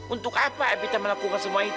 untuk apa kita melakukan semua itu